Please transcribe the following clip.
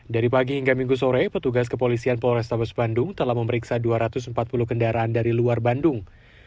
dari pagi hingga minggu sore petugas kepolisian polrestabes bandung telah memeriksa dua ratus empat puluh kendaraan dari luar bandung